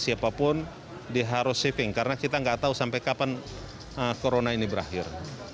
siapapun dia harus saving karena kita nggak tahu sampai kapan corona ini berakhir